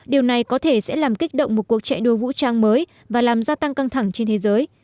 điều này có thể sẽ làm kích động một cuộc chạy đua vũ trang mới và làm gia tăng căng thẳng trên thế giới